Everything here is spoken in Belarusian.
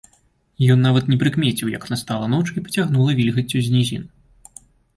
Ён нават не прыкмеціў, як настала ноч і пацягнула вільгаццю з нізін.